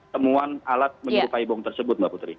temuan alat menyerupai bom tersebut mbak putri